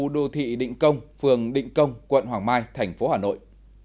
đô thị định công phường định công quận hoàng mai thành phố hà nội